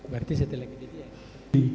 berarti setelah kejadian